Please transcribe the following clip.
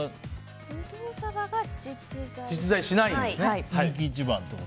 ぶどうサバが実在しないんですね。